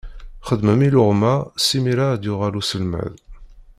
Xedmem iluɣma simira ad d-yuɣal uselmad.